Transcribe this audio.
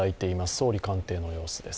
総理官邸の様子です。